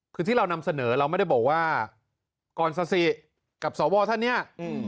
คือที่เรานำเสนอเราไม่ได้บอกว่ากรสสิกับสวท่านเนี่ย